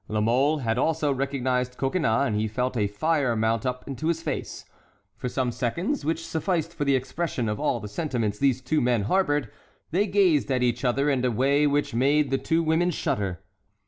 La Mole had also recognized Coconnas, and he felt a fire mount up into his face. For some seconds, which sufficed for the expression of all the sentiments these two men harbored, they gazed at each other in a way which made the two women shudder.